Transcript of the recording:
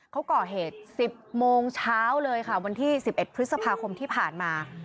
เขาก่อเหตุ๑๐โมงเช้าเลยค่ะวันที่๑๑พฤษภาคมที่ผ่านมา